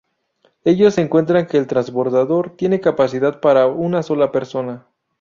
Ellos encuentran que el transbordador tiene capacidad para una sola persona.